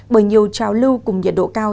bởi nhiều trào lưu cùng nhiệt độ cao